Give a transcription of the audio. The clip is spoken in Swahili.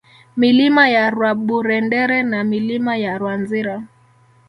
Milima ya Rwaburendere na Milima ya Rwanzira